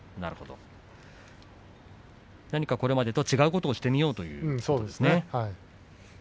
何か、これまでと違うことをしてみようということですね。